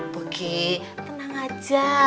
bogey tenang aja